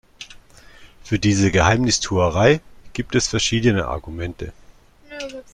Für diese Geheimnistuerei gibt es verschiedene Argumente.